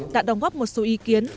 đã đồng góp một số ý kiến